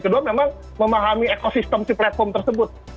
kedua memang memahami ekosistem si platform tersebut